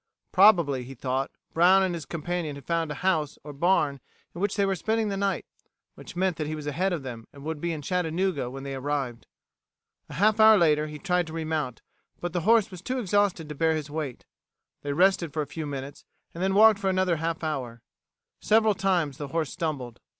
Probably, he thought, Brown and his companion had found a house or barn in which they were spending the night, which meant that he was ahead of them and would be in Chattanooga when they arrived. A half hour later he tried to remount, but the horse was too exhausted to bear his weight. They rested for a few minutes and then walked for another half hour. Several times the horse stumbled.